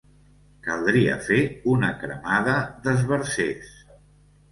Caldria fer una cremada d'esbarzers.